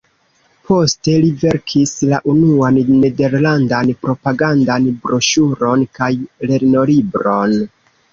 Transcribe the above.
Poste li verkis la unuan nederlandan propagandan broŝuron kaj lernolibron.